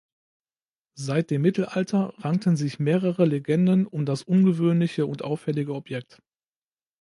Seit dem Mittelalter rankten sich mehrere Legenden um das ungewöhnliche und auffällige Objekt.